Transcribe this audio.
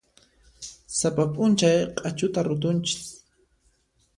Sapa p'unchay q'achuta rutunchis.